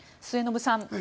末延さん